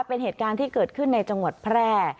เป็นเหตุการณ์ที่เกิดขึ้นในจังหวัดแพร่